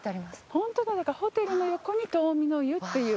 ホントだだからホテルの横に遠見乃湯っていう。